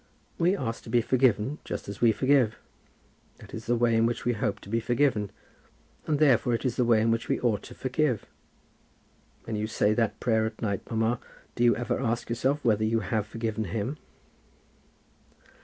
We ask to be forgiven just as we forgive. That is the way in which we hope to be forgiven, and therefore it is the way in which we ought to forgive. When you say that prayer at night, mamma, do you ever ask yourself whether you have forgiven him?"